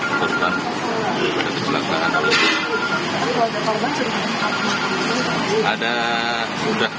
untuk berjalan ke selamatan